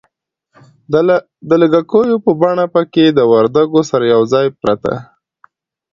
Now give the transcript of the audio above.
د لږکیو په بڼه پکښې د وردگو سره یوځای پرته